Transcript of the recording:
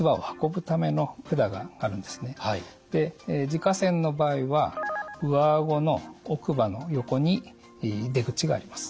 耳下腺の場合は上あごの奥歯の横に出口があります。